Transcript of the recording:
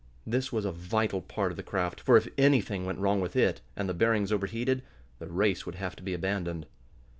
This was a vital part of the craft, for if anything went wrong with it, and the bearings overheated, the race would have to be abandoned.